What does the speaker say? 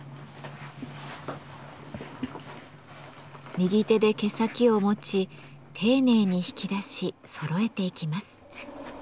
右手で毛先を持ち丁寧に引き出し揃えていきます。